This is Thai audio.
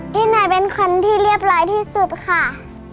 ที่ไหนเป็นคนที่เรียบร้อยที่สุดค่ะ